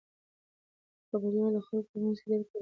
خبریال د خلکو په منځ کې ډېر ګرانیږي.